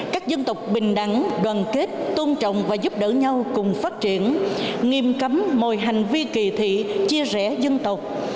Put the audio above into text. các dân tộc bình đẳng đoàn kết tôn trọng và giúp đỡ nhau cùng phát triển nghiêm cấm mọi hành vi kỳ thị chia rẽ dân tộc